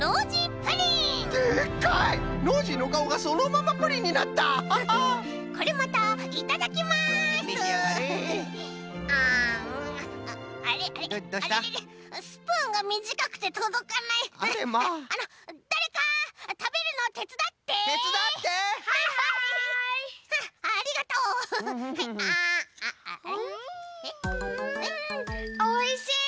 おいしい！